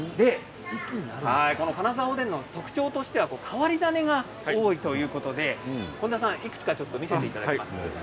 金沢おでんの特徴としては変わり種が多いということなのでいくつか見せていただけますか？